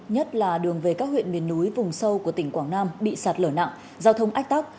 nhất là đường về các huyện miền núi vùng sâu của tỉnh quảng nam bị sạt lở nặng giao thông ách tắc